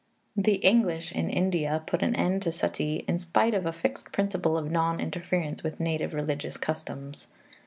The English in India put an end to suttee, in spite of a fixed principle of non interference with native religious customs.